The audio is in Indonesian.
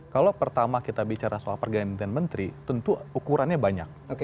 kalau pertama kita bicara soal pergantian menteri tentu ukurannya banyak